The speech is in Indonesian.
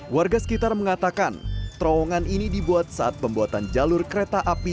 warga sekitar mengatakan terowongan ini dibuat saat pembuatan jalur kereta api